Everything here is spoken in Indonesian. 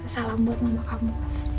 salam buat mama kamu